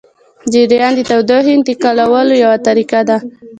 جریان د تودوخې د انتقالولو یوه طریقه ده.